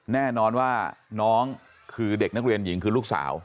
แน่นอนว่าน้องคือเด็กนักเรียนหญิงคือลูกสาว